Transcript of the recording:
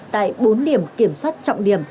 tại bốn điểm kiểm soát trọng điểm